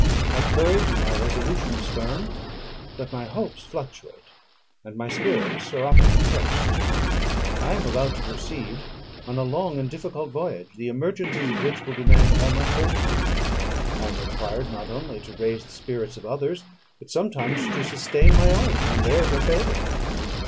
My courage and my resolution is firm; but my hopes fluctuate, and my spirits are often depressed. I am about to proceed on a long and difficult voyage, the emergencies of which will demand all my fortitude: I am required not only to raise the spirits of others, but sometimes to sustain my own, when theirs are failing.